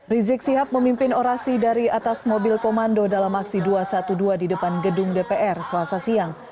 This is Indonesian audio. rizik sihab memimpin orasi dari atas mobil komando dalam aksi dua ratus dua belas di depan gedung dpr selasa siang